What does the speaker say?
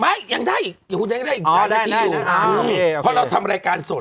ได้ยังได้เฮ้ยคุณเร่งได้นานที่ยุ่งเพราะเราทำรายการสด